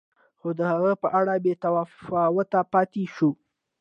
خو د هغه په اړه بې تفاوت پاتې شو.